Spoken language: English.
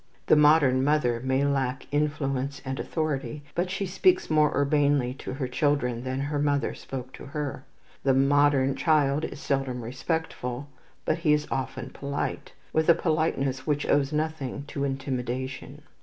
The modern mother may lack influence and authority; but she speaks more urbanely to her children than her mother spoke to her. The modern child is seldom respectful, but he is often polite, with a politeness which owes nothing to intimidation.